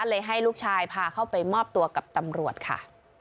ให้ลูกชายพาเข้าไปมอบตัวกับตำรวจค่ะ